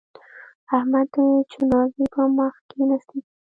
احمد د جنازې په مخ کې نڅېږي.